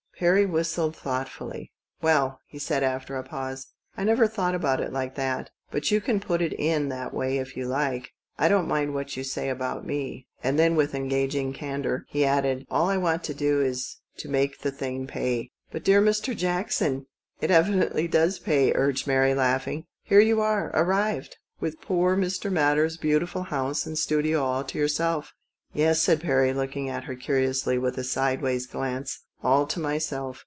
Perry whistled thoughtfully. " Well," he said, after a pause, " I never thought about it like that. But you can put it in that way if you like. I don't mind what you say about me," he said, magnani mously ; and then, with engaging candour, he added :" All I want to do is to make the thing pay." " But, dear Mr. Jackson, it evidently does pay," urged Mary, laughing ;" here you are ' arrived/ and with poor Mr. Madder's beau tiful house and studio all to yourself." " Yes," said Perry, looking at her curiously, 196 THE 8T0RY OF A MODERN WOMAN. with a side ways glance, "all to myself.